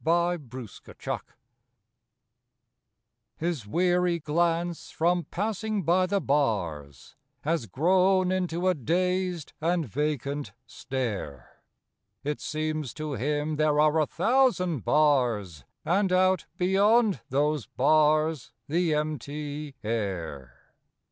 THE PANTHER His weary glance, from passing by the bars, Has grown into a dazed and vacant stare; It seems to him there are a thousand bars And out beyond those bars the empty air.